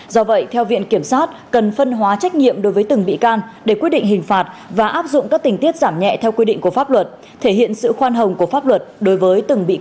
do vậy theo viện kiểm sát cần phân hóa trách nhiệm đối với từng bị can để quyết định hình phạt và áp dụng các tình tiết giảm nhẹ theo quy định của pháp luật thể hiện sự khoan hồng của pháp luật đối với từng bị cáo